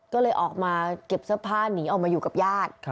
ก็เลยออกมาเก็บเสื้อผ้าหนีออกมาอยู่กับญาติ